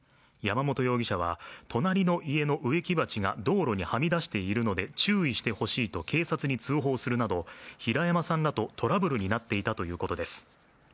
山本容疑者は、隣の家の植木鉢が道路にはみ出しているので注意してほしいと警察に通報するなど平山さんらとトラブルになっていたということです。